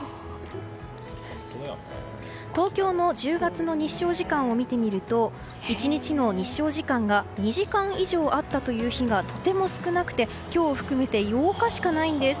東京の１０月の日照時間を見てみると１日の日照時間が２時間以上あったという日がとても少なくて今日を含めて８日しかないんです。